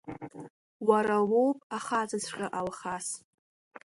Уара уоуп ахаҵаҵәҟьа, Алхас!